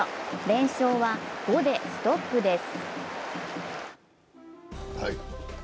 連勝は５でストップです。